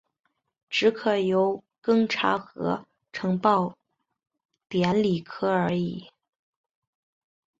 只可由庚查核呈报典礼科而已。